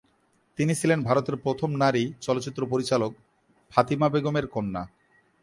তিনি ছিলেন ভারতের প্রথম নারী চলচ্চিত্র পরিচালক ফাতিমা বেগম এর কন্যা।